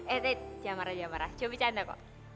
eh eh jangan marah marah coba bercanda kok